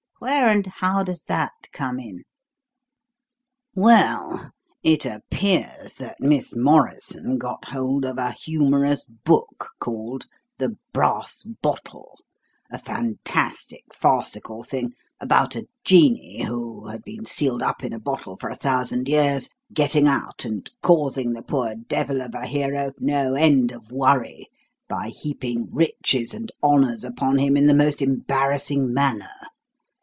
Where and how does that come in?" "Well, it appears that Miss Morrison got hold of a humorous book called 'The Brass Bottle,' a fantastic, farcical thing, about a genie who had been sealed up in a bottle for a thousand years getting out and causing the poor devil of a hero no end of worry by heaping riches and honours upon him in the most embarrassing manner.